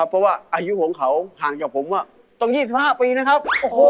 เพราะว่าอายุของเขาห่างจากผมต้อง๒๕ปีนะครับ